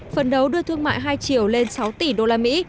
phần đấu đưa thương mại hai triệu lên sáu tỷ usd